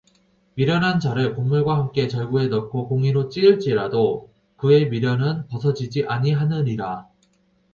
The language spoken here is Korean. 미련한 자를 곡물과 함께 절구에 넣고 공이로 찧을지라도 그의 미련은 벗어지지 아니하느니라